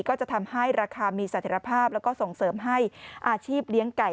ก็จะทำให้ราคามีเสถียรภาพแล้วก็ส่งเสริมให้อาชีพเลี้ยงไก่